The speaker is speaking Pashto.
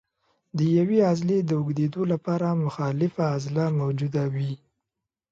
د یوې عضلې د اوږدېدو لپاره مخالفه عضله موجوده وي.